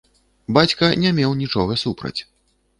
Бацька не меў нічога супраць.